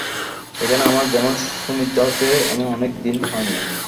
এখন আমার যেমন সুনিদ্রা হচ্ছে, এমন অনেক দিন হয়নি।